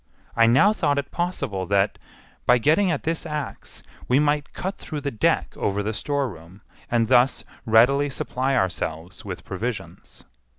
I now thought it possible that, by getting at this axe, we might cut through the deck over the storeroom, and thus readily supply ourselves with provisions.